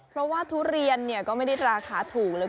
เพราะว่าทุเรียนก็ไม่ได้ราคาถูกเลย